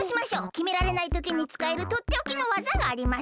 きめられないときにつかえるとっておきのわざがあります！